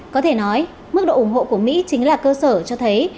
có thể nói mức độ ủng hộ của mỹ chính là cơ sở cho thấy